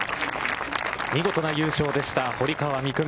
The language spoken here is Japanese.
見事な優勝でした堀川未来